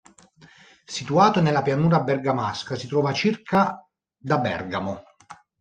Situato nella pianura bergamasca si trova circa da Bergamo.